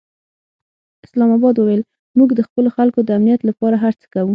اسلام اباد وویل، موږ د خپلو خلکو د امنیت لپاره هر څه کوو.